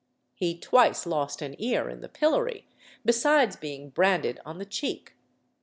He twice lost an ear in the pillory, besides being branded on the cheek.